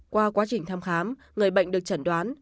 qua quá trình thăm khám người bệnh được chẩn đoán